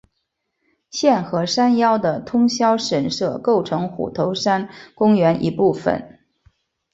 现和山腰的通霄神社构成虎头山公园一部分。